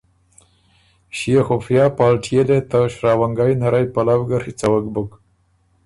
ݭيې خفیا پالټيې لې ته شراونګئ نرئ پلؤ ګۀ ڒیڅوک بُک